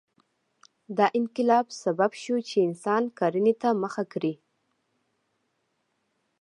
دا انقلاب سبب شو چې انسان کرنې ته مخه کړي.